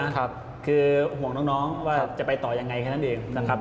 บอลโลกนะคือห่วงน้องว่าจะไปต่อยังไงแค่นั้นเอง